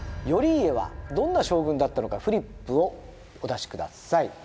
頼家はどんな将軍だったのかフリップをお出し下さい。